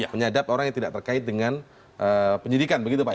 menyadap orang yang tidak terkait dengan penyidikan begitu pak ya